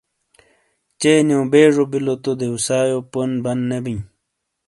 چے نیو بیجو بیلو تو دیوسائی پون بند نے بیئں۔